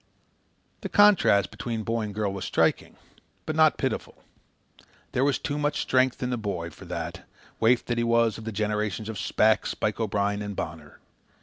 The contrast between boy and girl was striking, but not pitiful. There was too much strength in the boy for that, waif that he was of the generations of Shpack, Spike O'Brien, and Bonner.